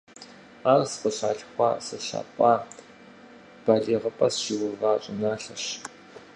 Ар сыкъыщалъхуа, сыщапӏа, балигъыпӏэ сыщиува щӏыналъэщ.